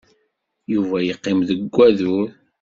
Yuba yeqqim deg wadur.